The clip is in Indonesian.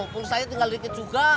pulsa saya tinggal sedikit juga